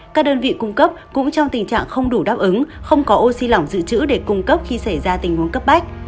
các đơn vị cung cấp cũng trong tình trạng không đủ đáp ứng không có oxy lỏng dự trữ để cung cấp khi xảy ra tình huống cấp bách